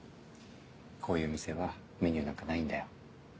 こういう店はメニューなんかないんだよ。